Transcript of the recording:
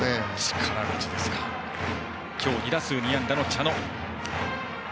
打席には今日、２打数２安打の茶野。